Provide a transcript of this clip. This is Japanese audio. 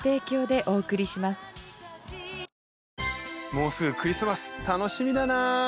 もうすぐクリスマス楽しみだな！